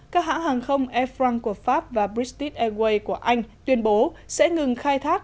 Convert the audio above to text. các hãng hàng không air france của pháp và busett airways của anh tuyên bố sẽ ngừng khai thác